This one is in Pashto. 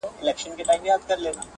شاعري سمه ده چي ته غواړې.